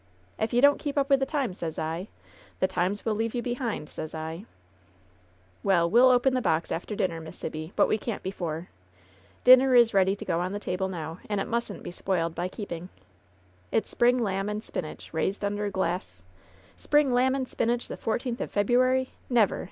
Ef you don't keep up with the times, sez I, the times will leave you behind, sez I !" "Well, we'll open the box after dinner, Miss Sibby, but we can't before. Dinner is ready to go on the table 62 LOVE'S BITTEREST CUP now, and it mustn't be spoiled by keeping. It's spring lamb and spinach, raised under glass ^^ "Spring lamb and spinach the fourteenth of Febru ary! Never!''